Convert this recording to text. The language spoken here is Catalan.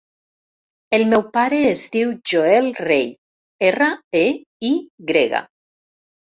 El meu pare es diu Joel Rey: erra, e, i grega.